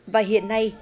và hiện nay